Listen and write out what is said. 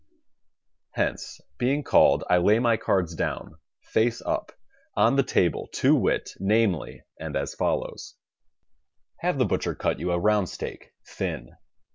Hence, being called, I lay my cards down, face up, on the table, to wit, namely and as follows: Have the butcher cut you a round steak thin.